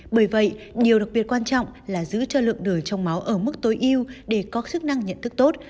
bởi vậy điều đặc biệt quan trọng là giữ cho lượng đời trong máu ở mức tối yêu để có sức năng nhận thức tốt